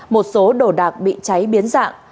một số đồ đạc bị cháy biến dạng